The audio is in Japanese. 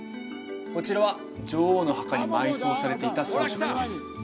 こちらは女王の墓に埋葬されていた装飾品です